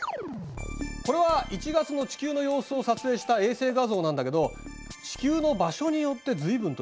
これは１月の地球の様子を撮影した衛星画像なんだけど地球の場所によってずいぶんと様子が違うよね。